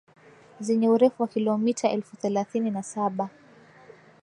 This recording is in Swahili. zenye urefu wa kilomitae elfu thelathini na saba